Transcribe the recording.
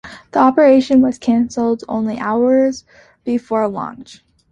The operation was canceled only hours before launch.